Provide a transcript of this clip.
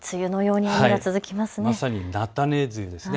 まさに菜種梅雨です。